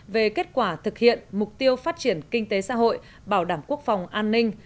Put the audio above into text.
về kết quả thực hiện mục tiêu phát triển kinh tế xã hội bảo đảm quốc phòng an ninh